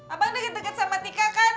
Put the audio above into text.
abang deket deket sama nika kan